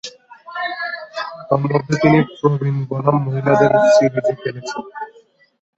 তন্মধ্যে তিনি প্রবীণ বনাম মহিলাদের সিরিজে খেলেছেন।